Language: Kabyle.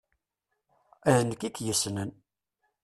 D nekk i k-yessnen!